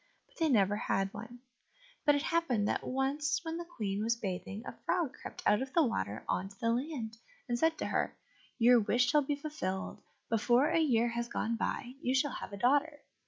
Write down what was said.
but they never had one. But it happened that once when the Queen was bathing, a frog crept out of the water on to the land, and said to her, "Your wish shall be fulfilled; before a year has gone by, you shall have a daughter."